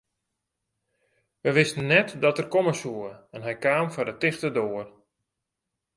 Wy wisten net dat er komme soe en hy kaam foar de tichte doar.